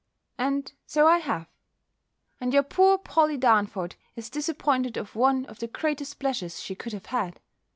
And so I have. And your poor Polly Darnford is disappointed of one of the greatest pleasures she could have had.